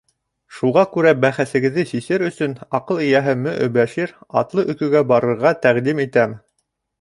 Шуға күрә бәхәсегеҙҙе сисер өсөн аҡыл эйәһе Мө-Өбәшир атлы өкөгә барырға тәҡдим итәм.